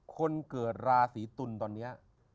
คนเกิดราศีตุลตอนนี้